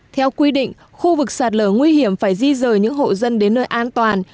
theo quy định khu vực sạt lở nguy hiểm phải di rời những hộ dân đến nơi an toàn